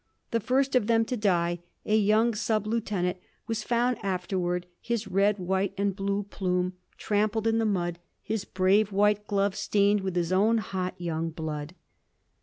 The first of them to die, a young sub lieutenant, was found afterward, his red, white and blue plume trampled in the mud, his brave white gloves stained with his own hot young blood.